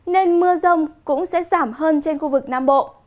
nên mưa rông cũng sẽ giảm hơn trên khu vực nam bộ